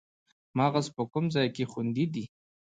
مغز په کوم ځای کې خوندي دی